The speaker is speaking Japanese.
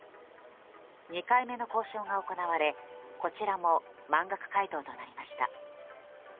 ２回目の交渉が行われこちらも満額回答となりました。